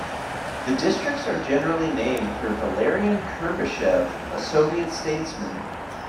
The districts are generally named for Valerian Kuybyshev, a Soviet statesman.